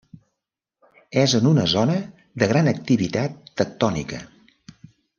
És en una zona de gran activitat tectònica.